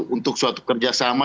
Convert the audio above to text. untuk suatu kerjasama